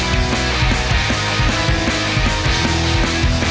ส่วนยังแบร์ดแซมแบร์ด